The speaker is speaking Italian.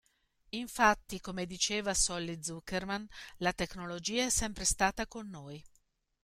Infatti come diceva Solly Zuckerman "la tecnologia è sempre stata con noi.